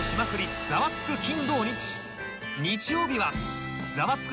日曜日は『ザワつく！